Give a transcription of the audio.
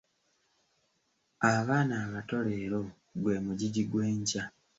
Abaana abato leero gwe mugigi gw'enkya.